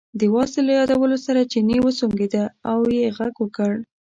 د وازدې له یادولو سره چیني وسونګېده او یې غږ وکړ.